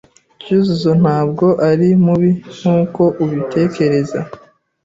Cyuzuzo ntabwo ari mubi nkuko ubitekereza.